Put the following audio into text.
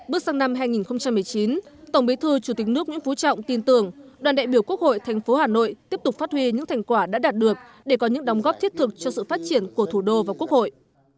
bước sang năm hai nghìn một mươi chín tổng bí thư chủ tịch nước nguyễn phú trọng tin tưởng đoàn đại biểu quốc hội thành phố hà nội tiếp tục phát huy những thành quả đã đạt được để có những đóng góp thiết thực cho sự phát triển của thủ đô và quốc hội